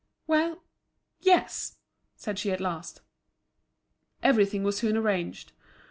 "Well! yes," said she at last. Everything was soon arranged.